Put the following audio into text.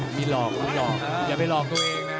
มีหลอกมีหลอกอย่าไปหลอกตัวเองนะ